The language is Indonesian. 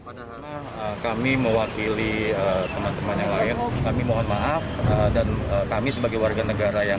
padahal kami mewakili teman teman yang lain kami mohon maaf dan kami sebagai warga negara yang